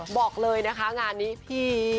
บอกเลยนะคะงานนี้พี่